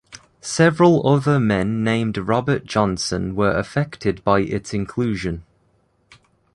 Several other men named Robert Johnson were affected by its inclusion.